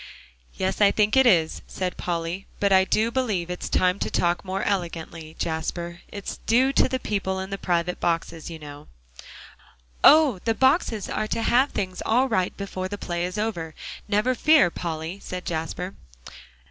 "Yes, I think it is," said Polly, "but I do believe it's time to talk more elegantly, Jasper. It is due to the people in the private boxes, you know." "Oh! the boxes are to have things all right before the play is over; never you fear, Polly," said Jasper.